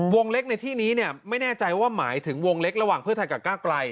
วงเล็กในที่นี้ไม่แน่ใจว่าหมายถึงวงเล็กระหว่างเพื่อไทยกับก้าวไกล